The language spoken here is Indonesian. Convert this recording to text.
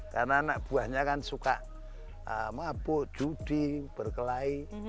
karena anak buahnya kan suka mabuk judi berkelahi